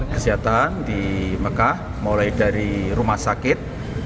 kesehatan di mekah mulai dari rumah sakit